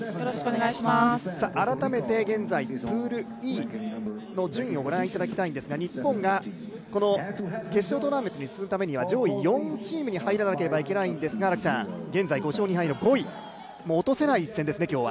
改めて現在プールＥの順位をご覧いただきたいんですが、日本がこの決勝トーナメントに進むためには上位４チームに入らなければいけないんですが、現在５勝２敗の５位もう落とせない一戦ですね。